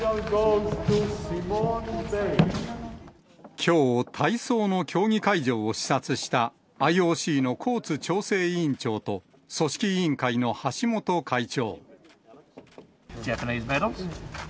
きょう、体操の競技会場を視察したＩＯＣのコーツ調整委員長と、組織委員会の橋本会長。